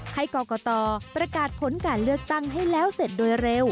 ให้กรกตประกาศผลการเลือกตั้งให้แล้วเสร็จโดยเร็ว